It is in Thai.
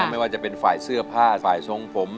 ไม่ว่าจะเป็นฝ่ายเสื้อผ้าฝ่ายทรงผม